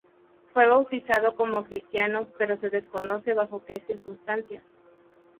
Fue bautizado como cristiano pero se desconoce bajo que circunstancias.